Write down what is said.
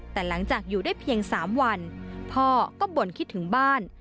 แต่หลังจากอยู่ได้เพียง๓วันพ่อก็บ่นคิดถึงบ้าน